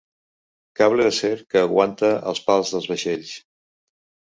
Cable d'acer que aguanta els pals dels vaixells.